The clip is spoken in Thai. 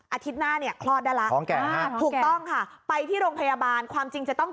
อาทิตย์หน้าเนี่ยคลอดได้แล้วถูกต้องค่ะไปที่โรงพยาบาลความจริงจะต้อง